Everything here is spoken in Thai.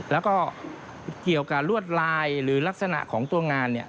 แล้วก็เกี่ยวกับลวดลายหรือลักษณะของตัวงาน